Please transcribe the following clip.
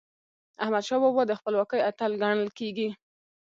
احمدشاه بابا د خپلواکی اتل ګڼل کېږي.